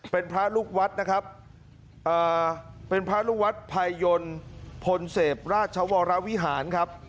เป็นพระลูกวัดนะครับเป็นพระลูกวัดภัยยนต์พลเสพราชวรวิหารครับ